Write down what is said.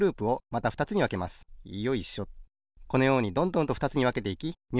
このようにどんどんとふたつにわけていき２